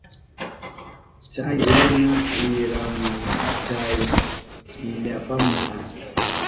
Chay runa wiranchahun illapanta.